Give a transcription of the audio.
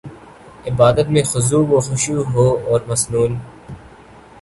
عبادت میں خضوع وخشوع ہواور مسنون